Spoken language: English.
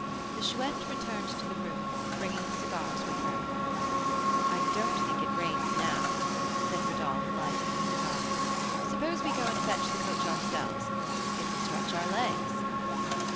The Chouette returned to the room, bringing the cigars with her. "I don't think it rains now," said Rodolph, lighting his cigar. "Suppose we go and fetch the coach ourselves, it will stretch our legs."